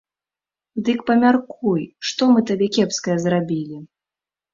Дык памяркуй, што мы табе кепскае зрабілі?